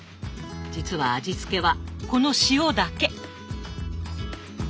実は味付けはこの塩だけ。